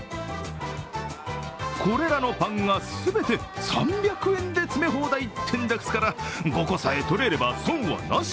これらのパンが全て、３００円で詰め放題ってんですから５個さえ取れれば、損はなし。